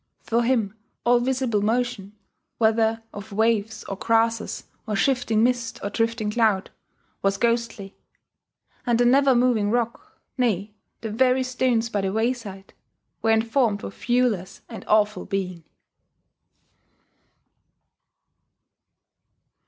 For him all visible motion whether of waves or grasses or shifting mist or drifting cloud was ghostly; and the never moving rocks nay, the very stones by the wayside were informed with viewless and awful being.